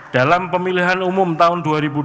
dalam pemilihan umum tahun dua ribu dua puluh